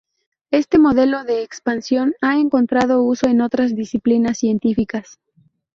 Este modelo de expansión ha encontrado uso en otras disciplinas científicas.